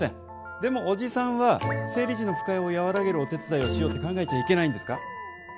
でもおじさんは生理時の不快をやわらげるお手伝いをしようって考えちゃいけないんですか？